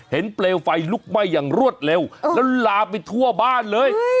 เปลวไฟลุกไหม้อย่างรวดเร็วแล้วลามไปทั่วบ้านเลย